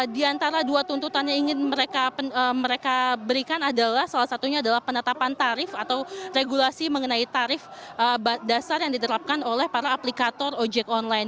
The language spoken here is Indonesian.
di antara dua tuntutan yang ingin mereka berikan adalah salah satunya adalah penetapan tarif atau regulasi mengenai tarif dasar yang diterapkan oleh para aplikator ojek online